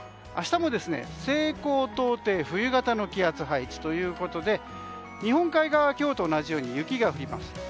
明日も西高東低冬型の気圧配置ということで日本海側、今日と同じように雪が降ります。